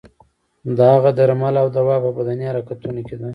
د هغه درمل او دوا په بدني حرکتونو کې ده.